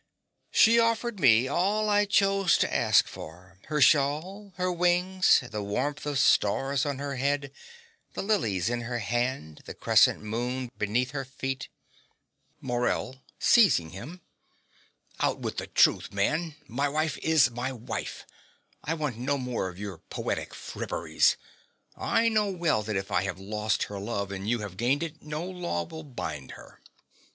She offered me all I chose to ask for, her shawl, her wings, the wreath of stars on her head, the lilies in her hand, the crescent moon beneath her feet MORELL (seizing him). Out with the truth, man: my wife is my wife: I want no more of your poetic fripperies. I know well that if I have lost her love and you have gained it, no law will bind her.